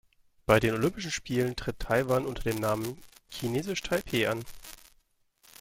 Bei den Olympischen Spielen tritt Taiwan unter dem Namen „Chinesisch Taipeh“ an.